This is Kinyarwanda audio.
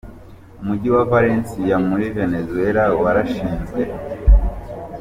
Umujyi wa Valencia wo muri Venezuela warashinzwe.